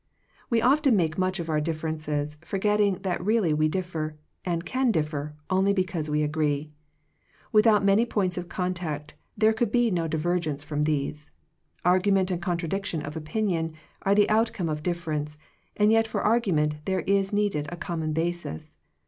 We often make much of our differences, forgetting that really we differ, and can differ, only because we agree. Without many points of contact, there could be no divergence from these. Argument and contradiction of opinion are the outcome of difference, and yet for argument there is needed a common basis.